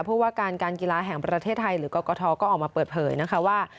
เพราะว่าการการกีฬาแห่งประเทศไทยหรือกรกฐก็ออกมาเปิดเผยนะคะว่า